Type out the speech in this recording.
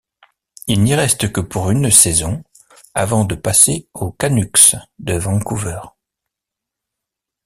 Il n'y reste que pour une saison avant de passer aux Canucks de Vancouver.